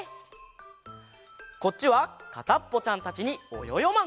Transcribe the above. こっちはかたっぽちゃんたちにおよよマン！